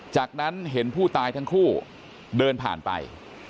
จากนั้นเห็นผู้ตายทั้งคู่เดินผ่านไป